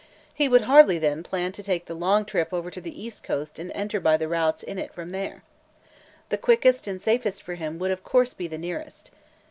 He would hardly, then, plan to take the long trip over to the east coast and enter by the routes in from there. The quickest and safest for him would of course be the nearest.